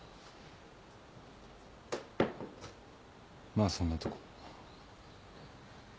まあそんなとこ。